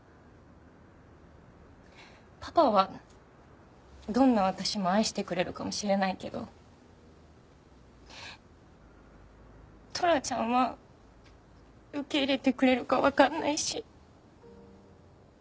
パパはどんな私も愛してくれるかもしれないけどトラちゃんは受け入れてくれるかわかんないし。